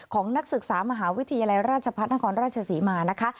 นักศึกษามหาวิทยาลัยราชพัฒนครราชศรีมานะคะ